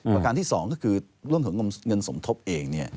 ประการที่๒ก็คือเรื่องของเงินสมทบเอง